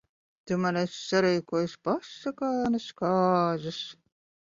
Tu man esi sarīkojis pasakainas kāzas.